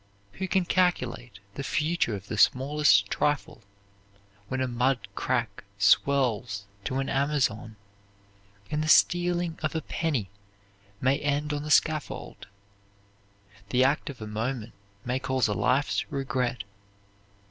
Who can calculate the future of the smallest trifle when a mud crack swells to an Amazon and the stealing of a penny may end on the scaffold? The act of a moment may cause a life's regret.